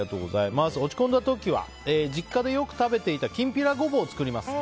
落ち込んだ時は実家でよく食べていたきんぴらごぼうを作ります。